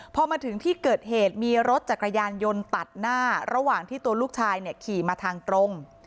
พอมาถึงที่เกิดเหตุมีรถจักรยานยนต์ตัดหน้าระหว่างที่ตัวลูกชายเนี่ยขี่มาทางตรง